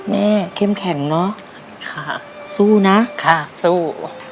เข้มแข็งเนอะค่ะสู้นะค่ะสู้